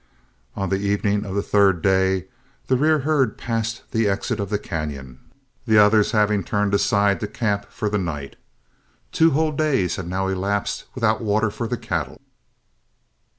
On the evening of the third day, the rear herd passed the exit of the cañon, the others having turned aside to camp for the night. Two whole days had now elapsed without water for the cattle.